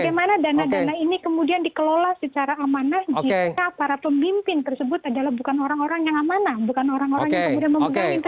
bagaimana dana dana ini kemudian dikelola secara amanah jika para pemimpin tersebut adalah bukan orang orang yang amanah bukan orang orang yang kemudian memegang investasi